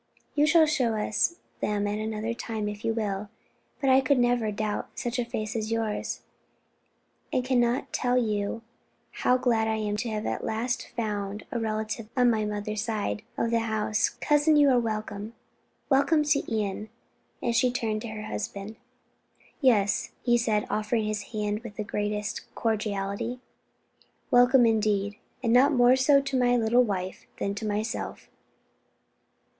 "You shall show us them at another time if you will; but I could never doubt such a face as yours, and can not tell you how glad I am to have at last found a relative on my mother's side of the house. Cousin, you are welcome, welcome to Ion!" And she turned to her husband. "Yes," he said, offering his hand with the greatest cordiality, "welcome indeed, and not more so to my little wife than to myself."